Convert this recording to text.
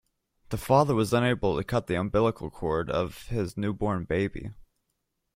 The father was unable to cut the umbilical cord of his newborn baby.